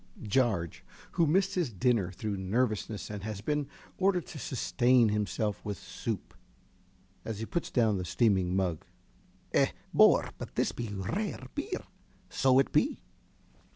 ~Jarge~ (_who missed his dinner through nervousness and has been ordered to sustain himself with soup as he puts down the steaming mug_). Eh, bor but this be rare beer. So it be.